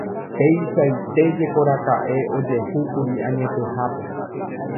Peichaitéjekoraka'e ojehúkuri añetehápe.